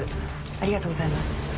ありがとうございます。